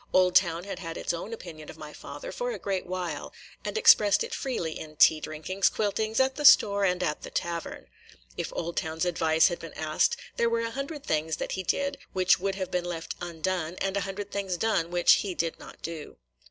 Oldtown had had its own opinion of my father for a great while, and expressed it freely in tea drinkings, quiltings, at the store, and at the tavern. If Oldtown's advice had been asked, there were a hundred things that he did which would have been left undone, and a hundred things done which he did not do.